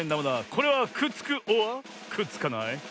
これはくっつくｏｒくっつかない？